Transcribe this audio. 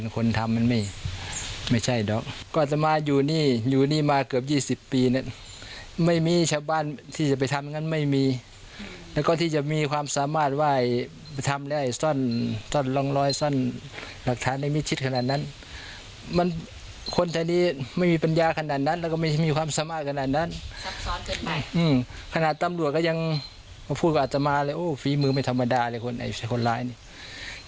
ขนาดตำรวจก็ยังพูดกับอาตมาเร็วโหฝีมือไม่ธรรมดาเลยไว้คนอะไรอังกฤษ